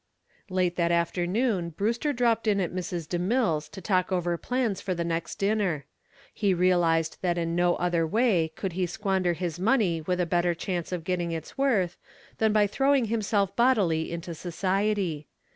Late that afternoon Brewster dropped in at Mrs. DeMille's to talk over plans for the next dinner. He realized that in no other way could he squander his money with a better chance of getting its worth than by throwing himself bodily into society.